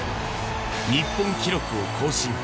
日本記録を更新。